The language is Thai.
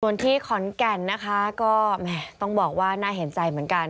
ส่วนที่ขอนแก่นนะคะก็ต้องบอกว่าน่าเห็นใจเหมือนกัน